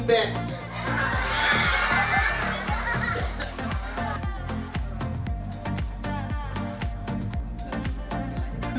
saya akan melarang